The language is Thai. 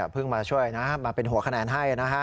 เพิ่งมาช่วยนะมาเป็นหัวคะแนนให้นะฮะ